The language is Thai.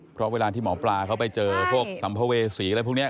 เพราะเวลาที่หมอปลาเขาไปเจอพวกสัมภเวษีอะไรพวกนี้